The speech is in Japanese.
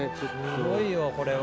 すごいよこれは。